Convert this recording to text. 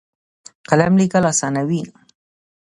قلم لیکل اسانوي.